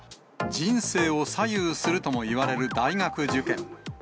人生を左右するともいわれる大学受験。